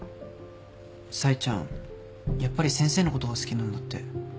やっぱり先生のことが好きなんだって。